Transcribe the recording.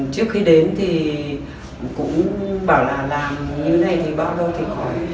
trước khi đến thì cũng bảo là làm như thế này thì bao lâu thì hỏi